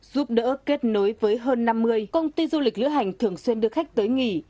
giúp đỡ kết nối với hơn năm mươi công ty du lịch lữ hành thường xuyên đưa khách tới nghỉ